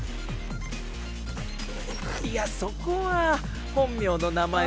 いやそこは本名の名前と。